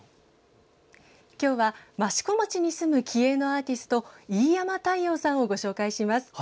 今日は益子町に住む気鋭のアーティスト飯山太陽さんをご紹介します。